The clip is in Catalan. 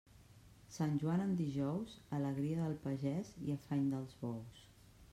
Sant Joan en dijous, alegria del pagès i afany dels bous.